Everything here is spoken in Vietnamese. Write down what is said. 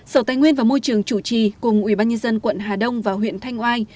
sở tài nguyên và môi trường chủ trì cùng ubnd quận hà đông và huyện thanh oai